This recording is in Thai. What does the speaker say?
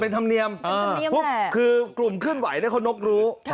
เป็นธรรมเนียมคือกลุ่มเคลื่อนไหวเขานกรู้